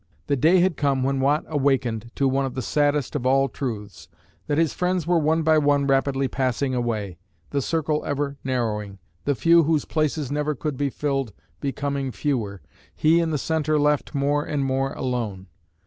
The day had come when Watt awakened to one of the saddest of all truths, that his friends were one by one rapidly passing away, the circle ever narrowing, the few whose places never could be filled becoming fewer, he in the centre left more and more alone.